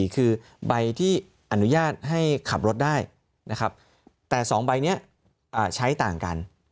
คือใบที่อนุญาตให้ขับรถได้นะครับแต่๒ใบนี้ใช้ต่างกัน